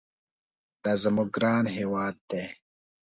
دا زموږ ګران هېواد دي.